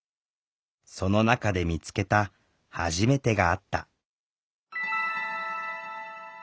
その中で見つけた「はじめて」があった。